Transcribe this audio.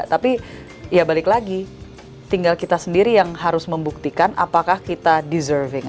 tapi ya balik lagi tinggal kita sendiri yang harus membuktikan apakah kita deserving